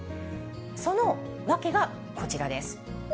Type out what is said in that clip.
その訳がこちらです。